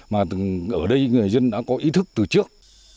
mà ở đây người dân đã có ý thức từ trước